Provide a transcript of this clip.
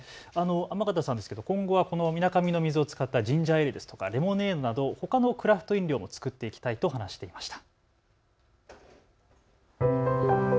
天方さん、今後、みなかみの水を使ったジンジャーエールやレモネードなどほかのクラフト飲料も作っていきたいと話していました。